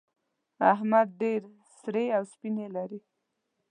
احمد ډېر سرې او سپينې لري.